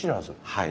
はい。